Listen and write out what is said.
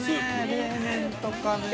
冷麺とかね。